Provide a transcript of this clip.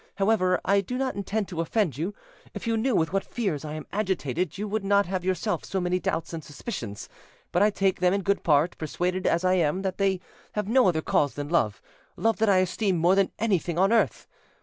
However, I do not intend to offend you: if you knew with what fears I am agitated, you would not have yourself so many doubts and suspicions. But I take them in good part, persuaded as I am that they have no other cause than love—love that I esteem more than anything on earth.